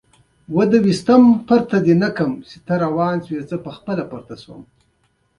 نېمګړتیا یې په خپل ځای.